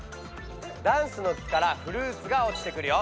ダンスの木からフルーツが落ちてくるよ。